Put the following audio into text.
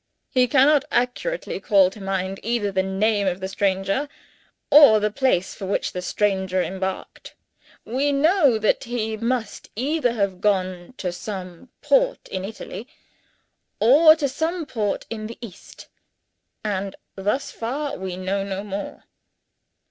He cannot accurately call to mind, either the name of the stranger, or the place for which the stranger embarked. We know that he must either have gone to some port in Italy, or to some port in the East. And, thus far, we know no more.